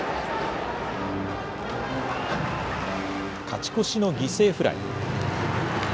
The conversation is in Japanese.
勝ち越しの犠牲フライ。